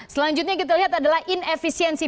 selanjutnya kita lihat adalah inefisiensi